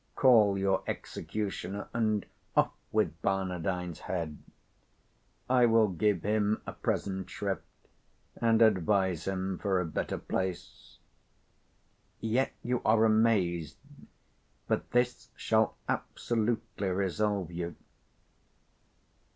Call your executioner, and off with Barnardine's head: I will give him a present shrift and 195 advise him for a better place. Yet you are amazed; but this shall absolutely resolve you.